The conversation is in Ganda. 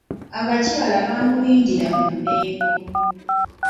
Abakyala baamulindira mu Mmengo.